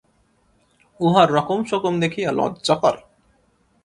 উহার রকমসকম দেখিয়া লজ্জা করে!